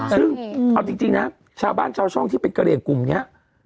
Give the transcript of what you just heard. ซึ่งเอาจริงนะชาวบ้านชาวช่องที่เป็นกะเหลี่ยงกลุ่มนี้